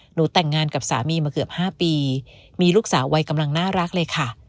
หนูแต่งงานกับสามีมาเกือบ๕ปีมีลูกสาววัยกำลังน่ารักเลยค่ะ